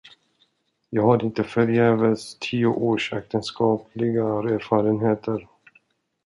Jag har inte förgäves tio års äktenskapliga erfarenheter.